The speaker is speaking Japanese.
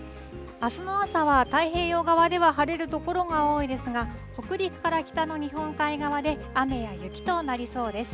あすの朝は太平洋側では晴れる所が多いですが、北陸から北の日本海側で、雨や雪となりそうです。